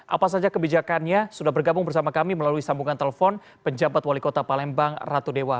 apa saja kebijakannya sudah bergabung bersama kami melalui sambungan telepon penjabat wali kota palembang ratu dewa